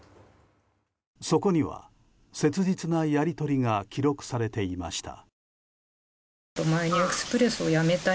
そこには、切実なやり取りが記録されていました。